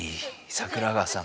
桜川さん。